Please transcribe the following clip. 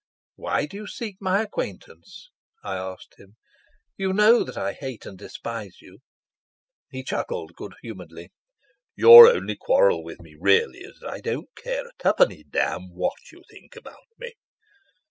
"Why do you seek my acquaintance?" I asked him. "You know that I hate and despise you." He chuckled good humouredly. "Your only quarrel with me really is that I don't care a twopenny damn what you think about me."